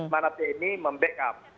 mana tni membackup